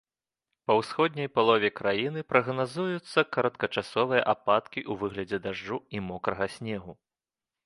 Па ўсходняй палове краіны прагназуюцца кароткачасовыя ападкі ў выглядзе дажджу і мокрага снегу.